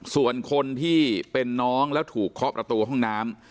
ส่วนคนที่เป็นน้องแล้วถูกเคาะประตูห้องน้ำ